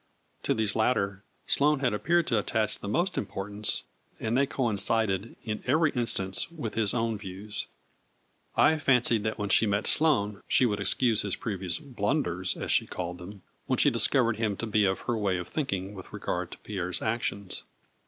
To these latter Sloane had appeared to attach the most importance, and they coincided in every instance with his own views. I fancied that when she met Sloane, she would excuse his previous " blunders " as she called them, when she discovered him to be of her way of thinking with regard to Pierre's ac tions.